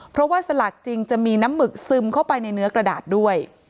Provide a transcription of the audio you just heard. เพราะว่าสลากจริงจะมีน้ำหมึกซึมเข้าไปในเนื้อกระดาษด้วย